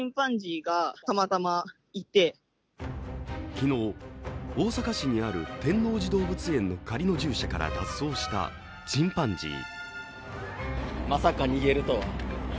昨日、大阪市にある天王寺動物園の仮の獣舎から脱走したチンパンジー。